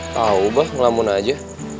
tau bah ngelamun aja